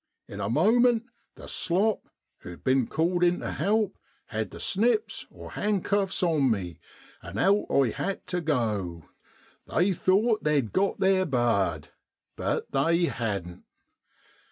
In a moment the slop (who'd bin called in tu help) had the snips (handcuffs) on me, and out I ha' tu go. They thought they'd got theer bard, but they hadn't.